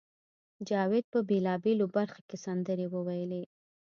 جاوید په بېلابېلو برخو کې سندرې وویلې